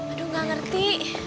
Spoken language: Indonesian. aduh gak ngerti